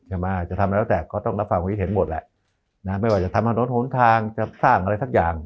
จะทำอะไรแล้วแต่ก็ต้องรับฟังวิทย์เห็นหมดแหละไม่ว่าจะทำทางโทนทางจะสร้างอะไรทั้งอย่าง